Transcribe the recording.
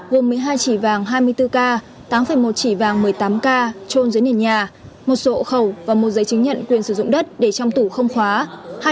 gồm một mươi hai chỉ vàng hai mươi bốn k tám một chỉ vàng một mươi tám k trôn dưới nền nhà một sổ hộ khẩu và một giấy chứng nhận quyền sử dụng đất để trong tủ không khóa